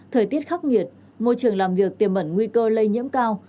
thời tiết khắc nghiệt môi trường làm việc tiềm mẩn nguy cơ lây nhiễm cao